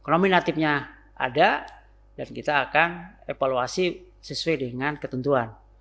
nominatifnya ada dan kita akan evaluasi sesuai dengan ketentuan